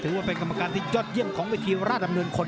ถือว่าเป็นกรรมการที่ยอดเยี่ยมของเวทีราชดำเนินคน